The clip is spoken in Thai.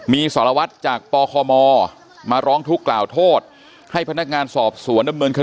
มีสารวัตรจากปคมมาร้องทุกข์กล่าวโทษให้พนักงานสอบสวนดำเนินคดี